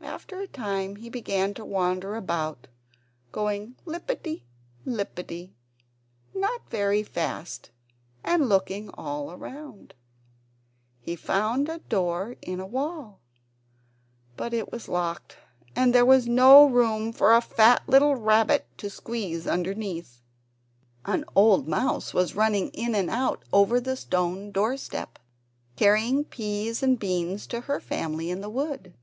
After a time he began to wander about, going lippity lippity not very fast, and looking all around. He found a door in a wall; but it was locked, and there was no room for a fat little rabbit to squeeze underneath. An old mouse was running in and out over the stone doorstep, carrying peas and beans to her family in the wood.